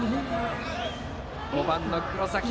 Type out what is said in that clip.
５番の黒崎。